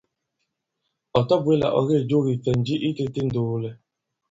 Ɔ̀ tabwě là ɔ̀ kê jo kìfɛ̀nji i tētē ì ndoolɛ.